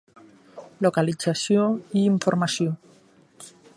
Localització i informació.